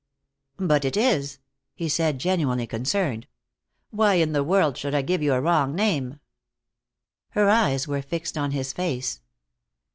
"But it is," he said, genuinely concerned. "Why in the world should I give you a wrong name?" Her eyes were fixed on his face.